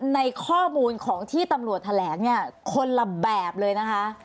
ในข้อมูลของที่ตำรวจแถลงเนี่ยคนละแบบเลยนะคะ